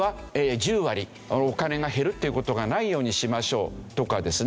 お金が減るっていう事がないようにしましょうとかですね